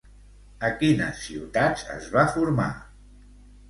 A quines ciutats es va formar?